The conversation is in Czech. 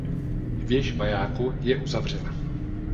Věž majáku je uzavřena.